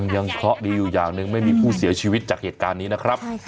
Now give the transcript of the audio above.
เคราะห์ดีอยู่อย่างหนึ่งไม่มีผู้เสียชีวิตจากเหตุการณ์นี้นะครับ